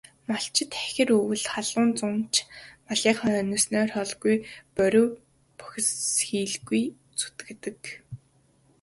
Малчид хахир өвөл, халуун зун ч малынхаа хойноос нойр, хоолгүй борви бохисхийлгүй зүтгэдэг.